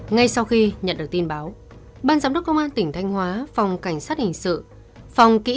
ngay sau khi nhận được tin báo ban giám đốc công an tỉnh thanh hóa phòng cảnh sát hình sự phòng kỹ